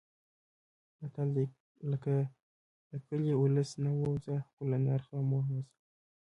متل دی: له کلي، اولس نه ووځه خو له نرخه مه وځه.